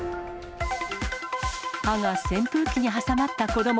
歯が扇風機に挟まった子ども。